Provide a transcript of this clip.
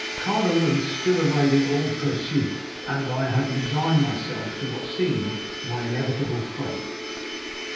Caderousse still evaded all pursuit, and I had resigned myself to what seemed my inevitable fate.